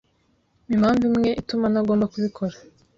Mpa impamvu imwe ituma ntagomba kubikora.